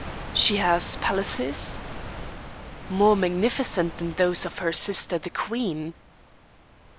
"She has palaces?" "More magnificent than those of her sister, the queen."